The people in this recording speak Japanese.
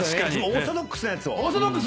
オーソドックスなやつを。